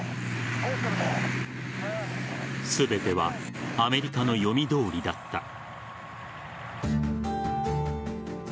全てはアメリカの読みどおりだった。